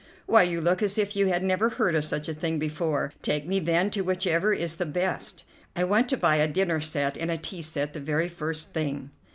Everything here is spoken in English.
"Why, you look as if you had never heard of such a thing before. Take me, then, to whichever is the best. I want to buy a dinner set and a tea set the very first thing."